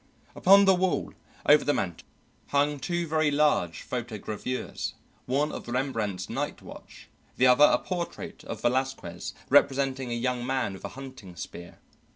Upon the wall over the mantel hung two very large photogravures, one of Rembrandt's "Night Watch," the other a portrait of Velasquez representing a young man with a hunting spear.